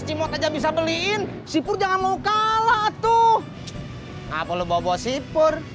cimot aja bisa beliin sipur jangan mau kalah tuh ngapain lu bobo sipur